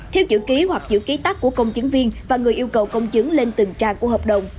theo chữ ký hoặc chữ ký tắt của công chứng viên và người yêu cầu công chứng lên từng trang của hợp đồng